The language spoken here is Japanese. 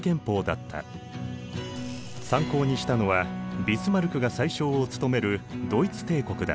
参考にしたのはビスマルクが宰相を務めるドイツ帝国だ。